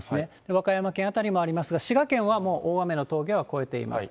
和歌山県辺りもありますが、滋賀県はもう大雨の峠は越えています。